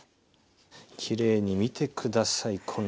きれいに見て下さい。